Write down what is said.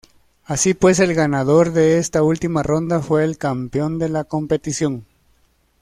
Así pues el ganador de esta última ronda fue el campeón de la competición.